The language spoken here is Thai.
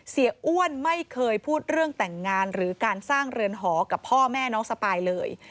อ้วนไม่เคยพูดเรื่องแต่งงานหรือการสร้างเรือนหอกับพ่อแม่น้องสปายเลย